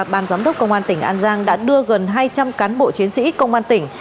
ban giám đốc công an tỉnh an giang đã đưa gần hai trăm linh cán bộ chiến sĩ công an tỉnh